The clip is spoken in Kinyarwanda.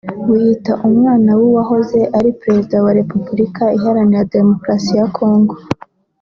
wiyita umwana w’uwahoze ari Perezida wa Repuburika Iharanira Demukarasi ya Congo